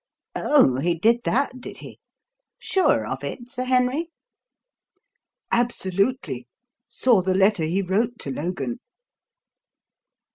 "Oh, he did that, did he? Sure of it, Sir Henry?" "Absolutely. Saw the letter he wrote to Logan."